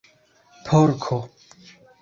porko